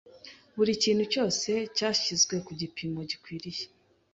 Buri kintu cyose cyashyizwe ku gipimo gikwiriye